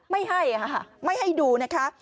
ไม่ให้ค่ะไม่ให้ดูนะคะ